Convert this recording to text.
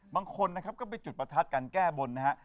บางคนนะครับก็ไปจุดประทัดกันแก้บนนะฮะ